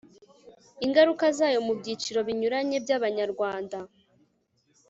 ingaruka zayo mu byiciro binyuranye by'abanyarwanda